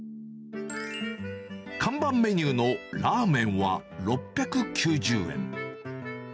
看板メニューのラーメンは６９０円。